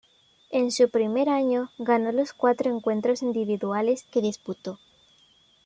En su primer año ganó los cuatro encuentros individuales que disputó.